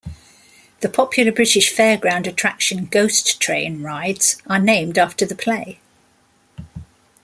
The popular British fairground attraction "Ghost Train" rides are named after the play.